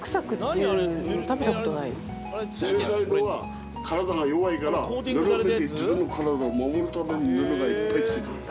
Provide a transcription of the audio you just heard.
小さい頃は体が弱いからぬめりで自分の体を守るためにぬめりがいっぱい付いてる。